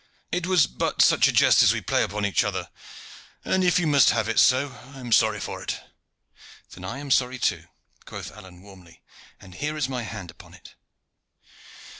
"It was but such a jest as we play upon each other, and, if you must have it so, I am sorry for it." "Then I am sorry too," quoth Alleyne warmly, "and here is my hand upon it."